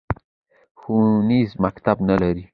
ښوونیز مکتب نه لري